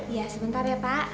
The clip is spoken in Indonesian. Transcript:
iya sebentar ya pak